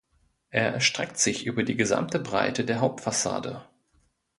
Er erstreckt sich über die gesamte Breite der Hauptfassade.